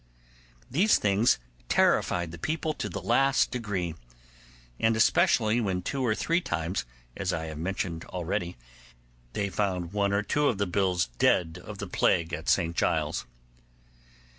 These things terrified the people to the last degree, and especially when two or three times, as I have mentioned already, they found one or two in the bills dead of the plague at St Giles's.